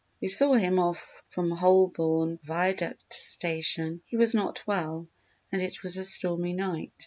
We saw him off from Holborn Viaduct Station; he was not well and it was a stormy night.